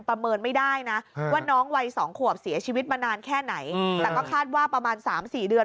ประเมินไม่ได้นะว่าน้องวัย๒ขวบเสียชีวิตมานานแค่ไหนแต่ก็คาดว่าประมาณ๓๔เดือน